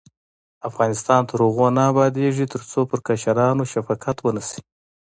افغانستان تر هغو نه ابادیږي، ترڅو پر کشرانو شفقت ونشي.